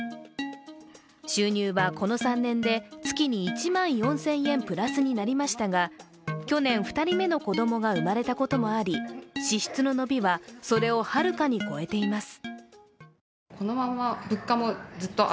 収入はこの３年で月に１万４０００円プラスになりましたが去年、２人目の子供が生まれたこともあり、支出の伸びはそれをはるかに超えています。